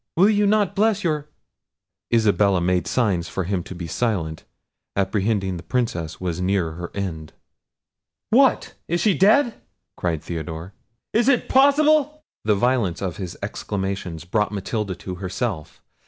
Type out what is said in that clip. Will you not bless your—" Isabella made signs to him to be silent, apprehending the Princess was near her end. "What, is she dead?" cried Theodore; "is it possible!" The violence of his exclamations brought Matilda to herself.